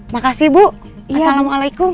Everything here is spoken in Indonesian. makasih bu assalamualaikum